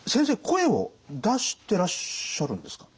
声を出してらっしゃるんですか？